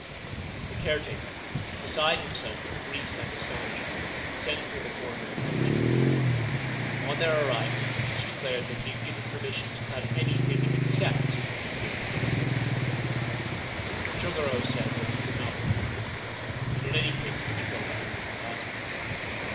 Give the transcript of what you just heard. The caretaker, beside himself with grief and astonish ment, sent for the four men mentioned. On their arrival each declared that he had given permission to cut anything 359 Ancient Tales and Folklore of Japan except the big camphor ; but Chogoro said that he could not believe them, and in any case he would go by the written document.